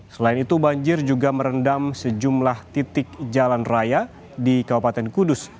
selain itu banjir juga merendam sejumlah titik jalan raya di kabupaten kudus